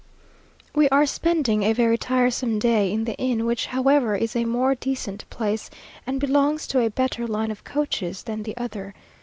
We are spending a very tiresome day in the inn, which, however, is a more decent place, and belongs to a better line of coaches than the other.